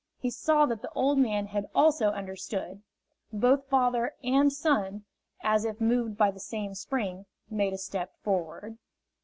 He saw that the old man had also understood. Both father arid son, as if moved by the same spring, made a step forward.